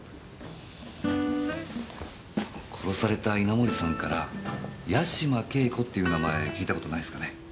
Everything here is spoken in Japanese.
殺された稲盛さんから八島景子っていう名前聞いた事ないすかね？